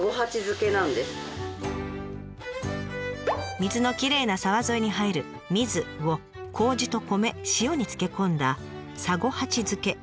水のきれいな沢沿いに生えるミズをこうじと米塩に漬け込んだ三五八漬け。